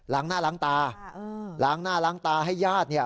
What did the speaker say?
ล้างหน้าล้างตาล้างหน้าล้างตาให้ญาติ